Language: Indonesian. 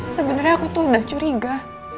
sebenarnya aku tuh udah curiga